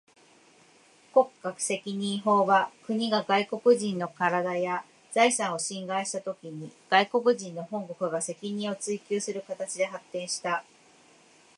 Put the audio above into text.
国家責任法は、国が外国人の身体や財産を侵害したときに、外国人の本国が責任を追求する形で発展した。